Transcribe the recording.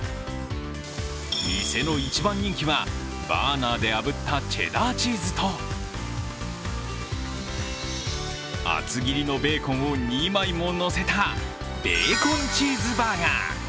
店の一番人気はバーナーであぶったチェダーチーズと厚切りのベーコンを２枚ものせたベーコンチーズバーガー。